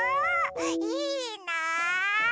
いいな！